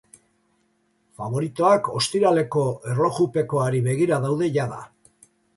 Faboritoak ostiraleko erloupekoari begira daude jada.